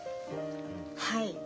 はい。